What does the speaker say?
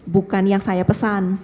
bukan yang saya pesan